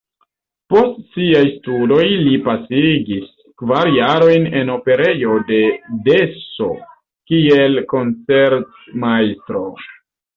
Post siaj studoj li pasigis kvar jarojn en Operejo de Dessau kiel koncertmajstro.